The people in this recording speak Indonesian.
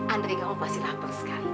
andre gak mau pasti lapar sekali kita makan ya